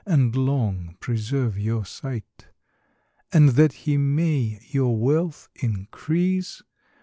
And long preserve your sight. I And that he may your wealth increase